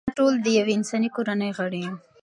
موږ ټول د یوې انساني کورنۍ غړي یو.